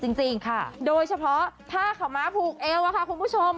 จริงจริงค่ะโดยเฉพาะห้าขามาลับฐูเอวคะคุณผู้ชม